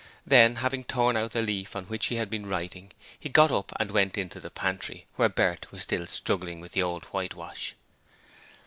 Then, having torn out the leaf on which he had been writing, he got up and went into the pantry, where Bert was still struggling with the old whitewash.